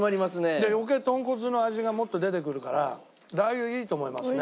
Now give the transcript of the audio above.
で余計とんこつの味がもっと出てくるからラー油いいと思いますね